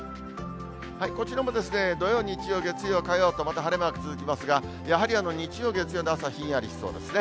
こちらも土曜、日曜、月曜、火曜とまた晴れマーク続きますが、やはり日曜、月曜の朝はひんやりしそうですね。